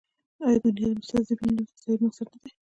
آیا بنیاد مستضعفین لوی اقتصادي بنسټ نه دی؟